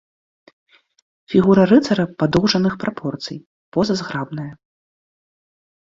Фігура рыцара падоўжаных прапорцый, поза зграбная.